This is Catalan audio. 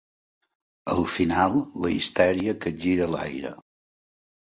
Al final, la histèria capgira l'aire.